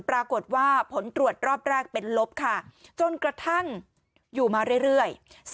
ปรากฏว่าผลตรวจรอบแรกเป็นลบค่ะจนกระทั่งอยู่มาเรื่อย